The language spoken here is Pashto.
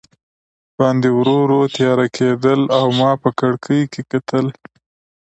باندې ورو ورو تیاره کېدل او ما په کړکۍ کې کتل.